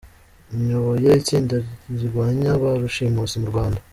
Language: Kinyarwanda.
Nyoboye itsinda rirwanya ba rushimusi mu Rwanda.